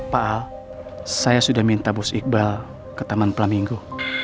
pak saya sudah minta bos iqbal ke taman flamingo